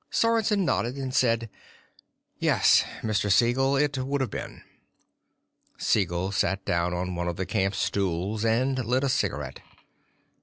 Sorensen nodded and said, "Yes, Mr. Siegel, it would've been." Siegel sat down on one of the camp stools and lit a cigarette.